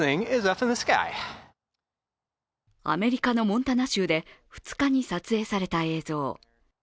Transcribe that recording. アメリカのモンタナ州で２日に撮影された映像。